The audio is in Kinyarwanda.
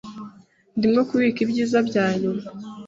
Ndimo kubika ibyiza byanyuma.